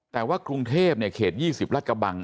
แต่ว่ากรุงเทพเขต๒๐รัฐกระบัง